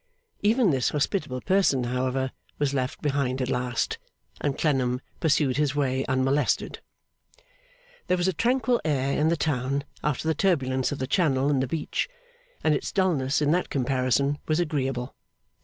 Even this hospitable person, however, was left behind at last, and Clennam pursued his way, unmolested. There was a tranquil air in the town after the turbulence of the Channel and the beach, and its dulness in that comparison was agreeable.